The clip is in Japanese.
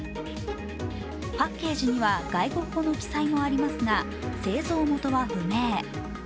パッケージには、外国語の記載もありますが製造元は不明。